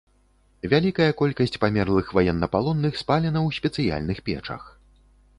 Вялікая колькасць памерлых ваеннапалонных спалена ў спецыяльных печах.